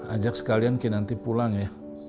ajak sekalian ki nanti pulang ya